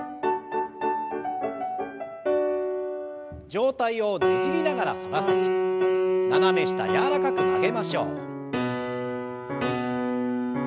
上体をねじりながら反らせて斜め下柔らかく曲げましょう。